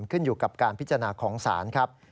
ขึ้นอยู่กับการพิจารณาของศาลครับ